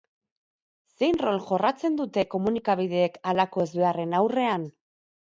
Zein rol jorratzen dute komunikabideek halako ezbeharren aurrean?